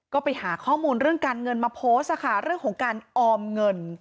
ก็ไปหาข้อมูลเรื่องการเงินมาโพสต์ค่ะเรื่องของการออมเงิน